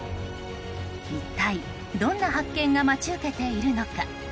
一体どんな発見が待ち受けているのか。